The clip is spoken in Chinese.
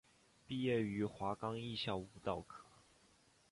毕业于华冈艺校舞蹈科。